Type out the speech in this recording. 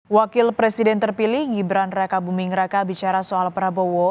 wakil presiden terpilih gibran raka buming raka bicara soal prabowo